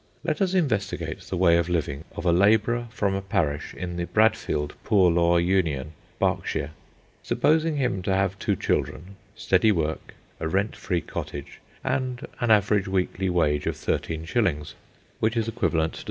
Let us investigate the way of living of a labourer from a parish in the Bradfield Poor Law Union, Berks. Supposing him to have two children, steady work, a rent free cottage, and an average weekly wage of thirteen shillings, which is equivalent to $3.